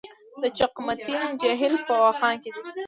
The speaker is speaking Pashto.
د چقمقتین جهیل په واخان کې دی